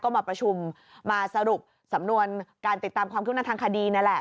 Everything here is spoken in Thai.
ก็มาประชุมมาสรุปสำนวนการติดตามความขึ้นหน้าทางคดีนั่นแหละ